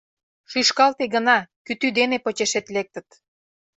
Шӱшкалте гына, кӱтӱ дене почешет лектыт.